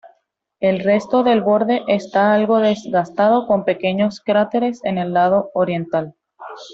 El resto del borde está algo desgastado, con pequeños cráteres en el lado oriental.